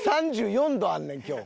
３４度あんねん今日。